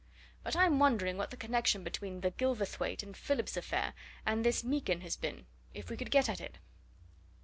But I'm wondering what the connection between the Gilverthwaite and Phillips affair and this Meekin has been if we could get at it?"